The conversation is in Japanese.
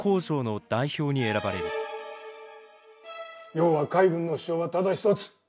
要は海軍の主張はただ一つ。